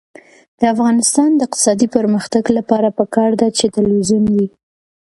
د افغانستان د اقتصادي پرمختګ لپاره پکار ده چې تلویزیون وي.